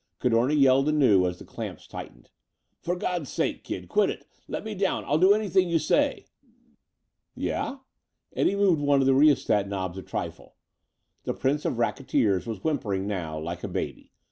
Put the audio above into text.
Cadorna yelled anew as the clamps tightened, "For God's sake, kid, quit it! Let me down. I'll do anything you say." "Yeah?" Eddie moved one of the rheostat knobs a trifle. The prince of racketeers was whimpering now, like a baby.